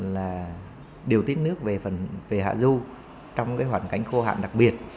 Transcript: là điều tích nước về hạ du trong cái hoàn cảnh khô hạn đặc biệt